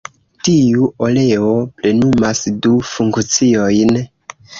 Tiu oleo plenumas du funkciojn.